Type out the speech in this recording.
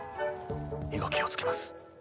以後気をつけます。